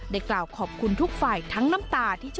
ได้กล่าวขอบคุณทุกฝ่ายทั้งน้ำตา